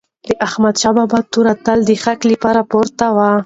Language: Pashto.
د احمدشاه بابا توره تل د حق لپاره پورته وه.